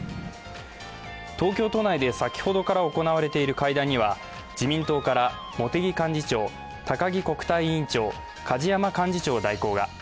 東京都内で先ほどから行われている会談には自民党から茂木幹事長、高木国対委員長、梶山幹事長代理が。